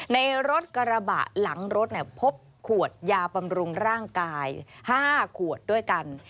ในรถกระบะหลังรถพบขวดยาบำรุงร่างกาย๕ขวดด้วยกัน